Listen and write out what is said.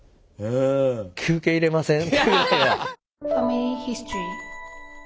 休憩入れません？